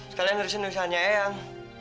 sekalian nulis nulisannya yang